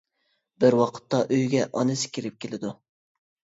بىر ۋاقىتتا ئۆيگە ئانىسى كىرىپ كېلىدۇ.